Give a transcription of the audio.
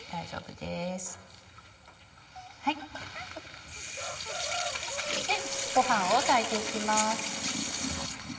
でごはんを炊いて行きます。